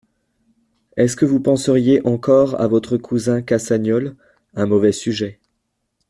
Est-ce que vous penseriez encore à votre cousin Cassagnol ? un mauvais sujet…